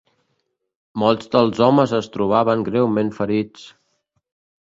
Molts dels homes es trobaven greument ferits